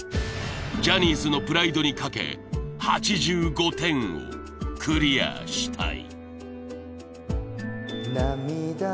ジャニーズのプライドにかけ８５点をクリアしたい